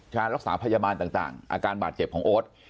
การรักษาพยาบาลต่างอาการบาดเจ็บของโอ๊ต